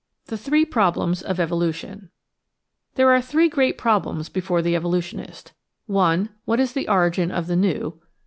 The Three Problems of Evolution There are three great problems before the evolutionist: (1) What is the origin of the new?